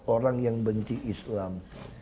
orang yang benci islam